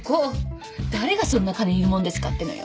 誰がそんな金いるもんですかってのよ